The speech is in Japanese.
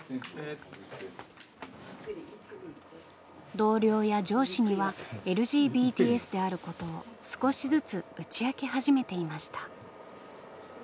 同僚や上司にはＬＧＢＴｓであることを少しずつ打ち明け始めていました。